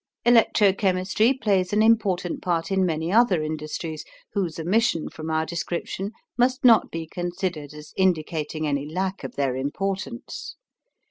Electro chemistry plays an important part in many other industries whose omission from our description must not be considered as indicating any lack of their importance.